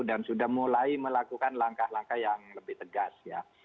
dan sudah mulai melakukan langkah langkah yang lebih tegas ya